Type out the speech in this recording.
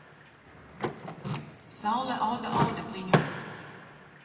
Saule auda audekliņu